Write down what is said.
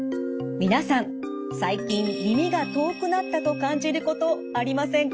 皆さん最近耳が遠くなったと感じることありませんか？